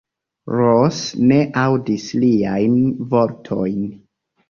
Ros ne aŭdis liajn vortojn.